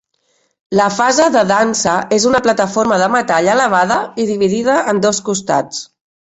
La fase de dansa és una plataforma de metall elevada i dividida en dos costats.